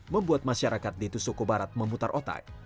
membuat masyarakat ditusuko barat memutar otak